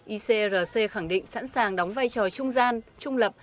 icrc khẳng định sẵn sàng đóng vai trò trung gian trung lập